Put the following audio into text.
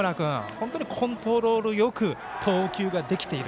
本当にコントロールよく投球ができている。